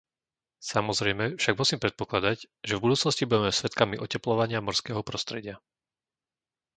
Samozrejme, však musím predpokladať, že v budúcnosti budeme svedkami otepľovania morského prostredia.